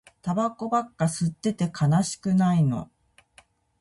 タバコばっか吸ってて悲しくないの